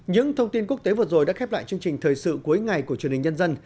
những thông tin quốc tế vừa rồi đã khép lại chương trình thời sự cuối ngày của truyền hình nhân dân